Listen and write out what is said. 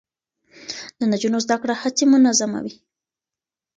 د نجونو زده کړه هڅې منظموي.